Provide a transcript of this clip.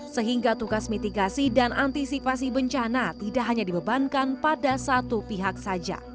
sehingga tugas mitigasi dan antisipasi bencana tidak hanya dibebankan pada satu pihak saja